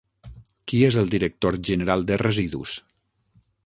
Qui és el director general de Residus?